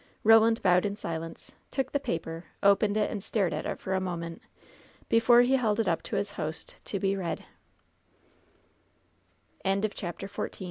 Koland bowed in silence, took the paper, opened it and stared at it for a moment, before he held it up to his host to be r